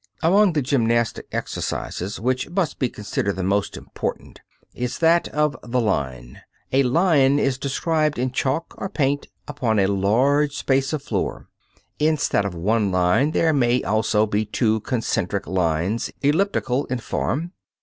Among the gymnastic exercises that which must be considered the most important is that of the "line." A line is described in chalk or paint upon a large space of floor. Instead of one line, there may also be two concentric lines, elliptical in form.